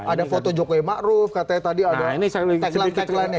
ada foto jokowi ⁇ maruf ⁇ katanya tadi ada tagline tagline nya